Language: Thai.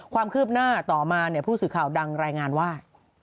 ความคืบหน้าต่อมาผู้สื่อข่าวดังรายงานว่า